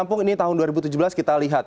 kampung ini tahun dua ribu tujuh belas kita lihat